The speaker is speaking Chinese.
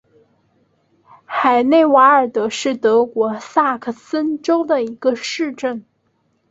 海内瓦尔德是德国萨克森州的一个市镇。